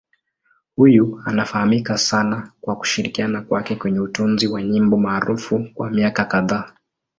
Huyu anafahamika sana kwa kushirikiana kwake kwenye utunzi wa nyimbo maarufu kwa miaka kadhaa.